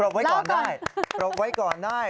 ไว้ก่อนได้รบไว้ก่อนได้